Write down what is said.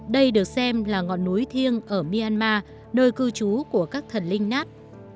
đây được xem là ngọn núi thiêng ở myanmar nơi cư trú của các thần linh nát